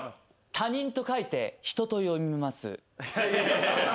「他人」と書いて「ひと」と読みます。